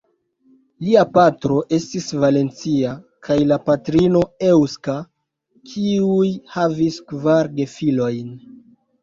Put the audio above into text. Lia patro estis valencia kaj la patrino eŭska, kiuj havis kvar gefilojn.